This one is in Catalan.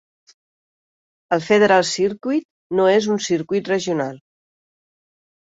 El Federal Circuit no és un circuit regional.